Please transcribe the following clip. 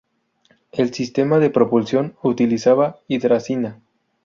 El sistema de propulsión utilizaba hidracina.